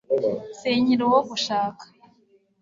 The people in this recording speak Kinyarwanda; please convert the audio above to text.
sinkiri uwo gushaka